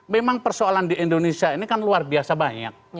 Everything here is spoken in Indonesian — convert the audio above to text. memang persoalan di indonesia ini kan luar biasa banyak